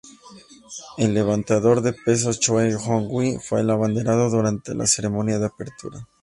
El levantador de pesas Choe Jon-wi fue el abanderado durante la ceremonia de apertura.